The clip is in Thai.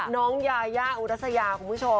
น้องยายาอุรัสยาคุณผู้ชม